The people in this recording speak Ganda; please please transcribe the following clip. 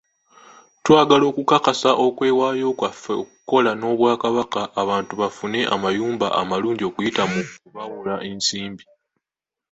Twagala okukakasa okwewaayo kwaffe okukola n'Obwakabaka abantu bafune amayumba amalungi okuyita mu kubawola ensimbi.